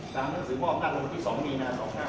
สามหน้าสือมอบนัทรมที่๒มีน๒๙๖๓